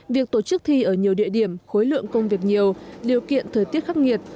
việc tổ chức thi ở nhiều địa điểm khối lượng công việc nhiều điều kiện thời tiết khắc nghiệt